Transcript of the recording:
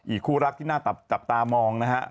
คู่รักที่น่าจับตามองนะฮะ